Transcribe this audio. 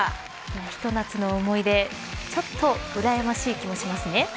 ひと夏の思い出ちょっとうらやましい気もしますね。